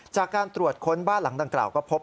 จากการตรวจค้นบ้านหลังดังกล่าวก็พบ